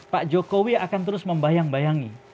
pak jokowi akan terus membayang bayangi